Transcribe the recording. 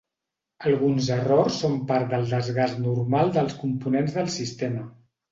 Alguns errors són part del desgast normal dels components del sistema.